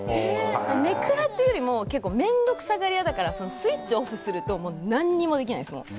根暗っていうより面倒くさがり屋だからスイッチをオフすると何もできないです。